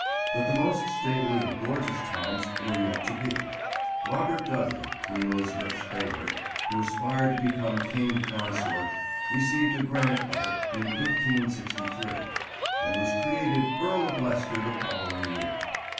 But the most stately and gorgeous times were yet to be. Robert Dudley, Queen Elizabeth's favourite, who aspired to become King Consort, received a grant of it in 1563, and was created Earl of Leicester the following year.